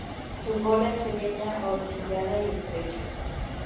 Su cola es pequeña, ahorquillada y estrecha.